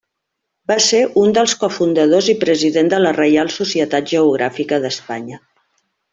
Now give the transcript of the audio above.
Va ser un dels cofundadors i president de la Reial Societat Geogràfica d'Espanya.